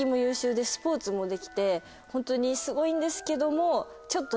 ホントにすごいんですけどもちょっと。